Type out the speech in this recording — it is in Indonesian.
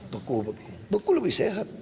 beku beku lebih sehat